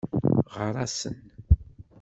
Ɣer-asen.